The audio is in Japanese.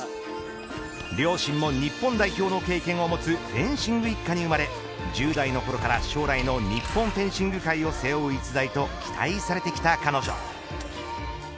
両親も日本代表の経験を持つフェンシング一家に生まれ１０代のころから将来の日本フェンシング界を背負う逸材と期待されてきた彼女。